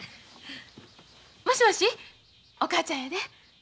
もしもしお母ちゃんやで。